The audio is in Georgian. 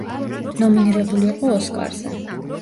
ნომინირებული იყო ოსკარზე.